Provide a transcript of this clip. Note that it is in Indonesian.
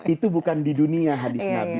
itu bukan di dunia hadis nabi